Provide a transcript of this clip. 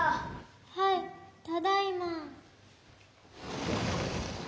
・「はいただいま」。